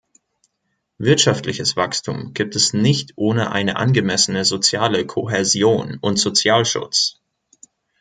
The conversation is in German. Wirtschaftliches Wachstum gibt es nicht ohne eine angemessene soziale Kohäsion und Sozialschutz.